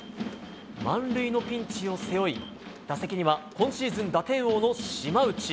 満塁のピンチを背負い打席には今シーズン打点王の島内。